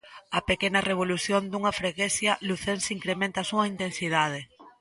A pequena revolución dunha freguesía lucense incrementa a súa intensidade.